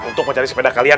untuk mencari sepeda kalian